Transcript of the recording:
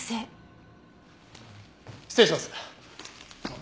失礼します。